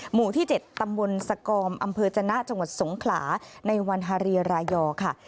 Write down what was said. หมู่ที่๗ตำบลสกอมอำเภอจนะจังหวัดสงขลาในวันฮาเรียรายอค่ะ